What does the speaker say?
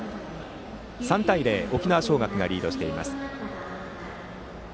３対０、沖縄尚学がリードです。